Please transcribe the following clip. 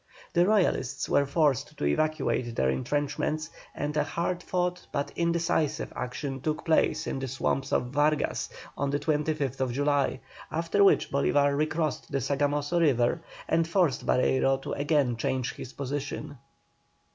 The Royalists were forced to evacuate their entrenchments, and a hard fought but indecisive action took place in the swamps of Vargas on the 25th July, after which Bolívar recrossed the Sagamoso river, and forced Barreiro to again change his position.